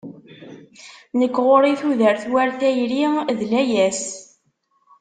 Nekk ɣur-i tudert war tayri d layas.